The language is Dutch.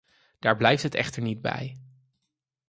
Daar blijft het echter niet bij.